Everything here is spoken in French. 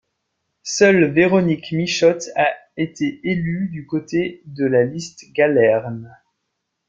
Seule Véronique Michotte a été élue du côté de la liste Gallerne.